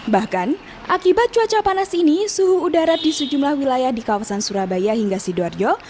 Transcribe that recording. bahkan akibat cuaca panas ini suhu udara di sejumlah wilayah di kawasan surabaya hingga sidoarjo